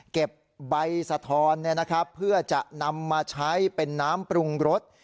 เก็บใบสะทอนเพื่อจะนำมาใช้เป็นน้ำปรุงรส